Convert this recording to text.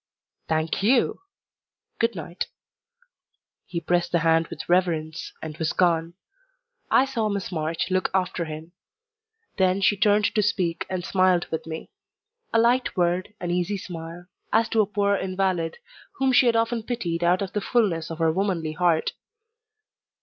"Thank YOU. Good night." He pressed the hand with reverence and was gone. I saw Miss March look after him: then she turned to speak and smiled with me. A light word, an easy smile, as to a poor invalid whom she had often pitied out of the fulness of her womanly heart.